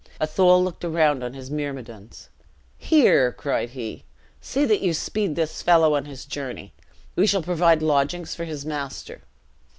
Athol looked round on his myrmidons: 'Here,' cried he, 'see that you speed this fellow on his journey. We shall provide lodgings for his master.'